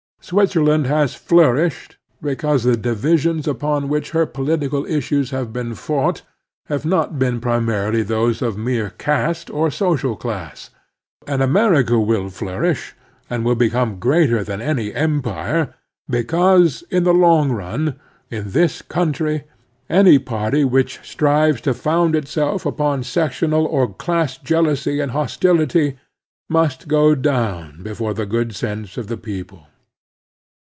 Switzerland has flourished because the divisions upon which her political issues have been fought have not been primarily those of mere caste or social class, and America will flourish and will become greater than A Political Factor 75 any empire because, in the long run, in this coun try, any party which strives to found itself upon sectional or class jealousy and hostility must go down before the good sense of the people.